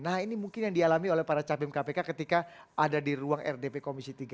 nah ini mungkin yang dialami oleh para capim kpk ketika ada di ruang rdp komisi tiga